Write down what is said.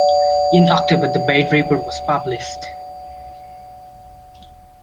In October, the Baird report was published.